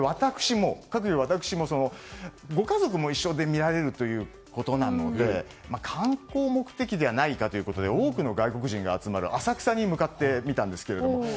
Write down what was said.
かくいう私も、ご家族も一緒に見られるということなので観光目的ではないかということで多くの外国人が集まる浅草に向かってみたんですけど。